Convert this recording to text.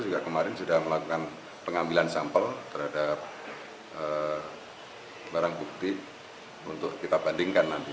juga kemarin sudah melakukan pengambilan sampel terhadap barang bukti untuk kita bandingkan nanti